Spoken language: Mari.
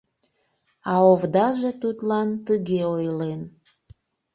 А овдаже тудлан тыге ойлен: